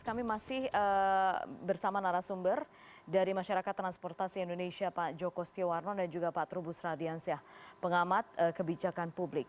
kami masih bersama narasumber dari masyarakat transportasi indonesia pak joko setiawarno dan juga pak trubus radiansyah pengamat kebijakan publik